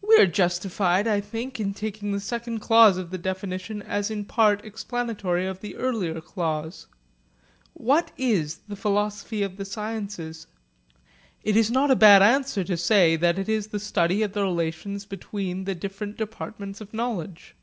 We are justified, I think, in taking the second clause of the definition as in part explanatory of the earlier clause. What is the philosophy of the sciences? It is not a bad answer to say that it is the study of the relations between the different departments of knowledge.